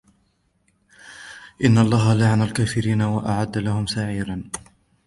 إن الله لعن الكافرين وأعد لهم سعيرا